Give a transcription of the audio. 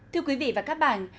thưa quý vị và các bạn